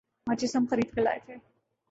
ماچس ہم خرید کر لائے تھے ۔